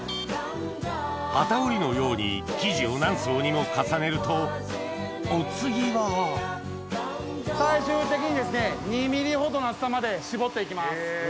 機織りのように生地を何層にも重ねるとお次は最終的にですね２ｍｍほどの厚さまで絞って行きます。